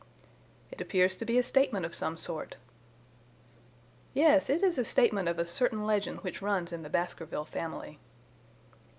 "It appears to be a statement of some sort." "Yes, it is a statement of a certain legend which runs in the Baskerville family."